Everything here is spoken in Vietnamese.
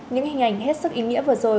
những hình ảnh hết sức ý nghĩa vừa rồi